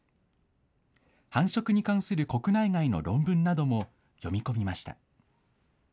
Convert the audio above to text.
繁殖に関する国内外の論文なども読み込みました。